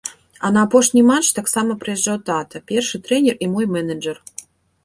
А на апошні матч таксама прыязджаў тата, першы трэнер і мой менеджэр.